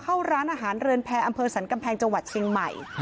เข้าร้านอาหารเรือนแพรอำเภอสรรกำแพงจังหวัดเชียงใหม่